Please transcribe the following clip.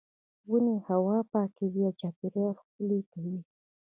ونې هوا پاکوي او چاپیریال ښکلی کوي.